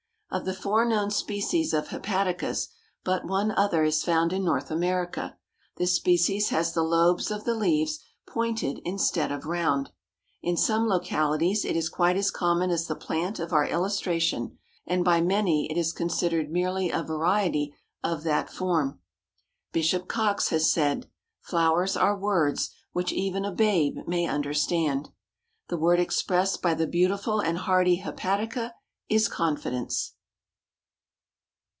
Of the four known species of Hepaticas but one other is found in North America. This species has the lobes of the leaves pointed instead of round. In some localities it is quite as common as the plant of our illustration, and by many it is considered merely a variety of that form. Bishop Coxe has said: Flowers are words Which even a babe may understand. The word expressed by the beautiful and hardy Hepatica is confidence.